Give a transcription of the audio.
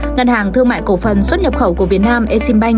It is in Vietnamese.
ngân hàng thương mại cộng phần xuất nhập khẩu của việt nam acb